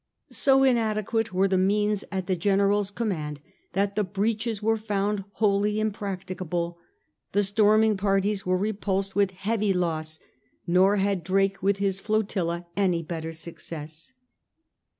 So inadequate were the means at the generals' command that the breaches were foimd wholly impracticable, the storming parties were repulsed with heavy loss, nor had Drake with his flotilla any better success.